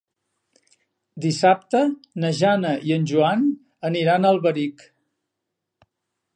Dissabte na Jana i en Joan aniran a Alberic.